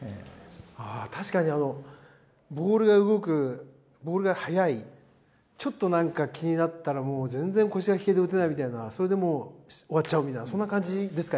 ああ確かにボールが動くボールが速いちょっとなんか気になったらもう全然腰が引けて打てないみたいなそれで終わっちゃうみたいなそんな感じですか？